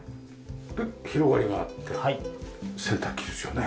広がりがあって洗濯機ですよね。